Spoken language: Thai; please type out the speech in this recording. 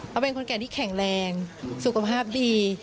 เขาเป็นคนแก่ที่แข็งแรงสุขภาพดี